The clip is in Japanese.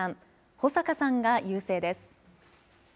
保坂さんが優勢です。